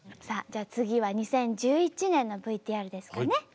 さあじゃあ次は２０１１年のＶＴＲですかね。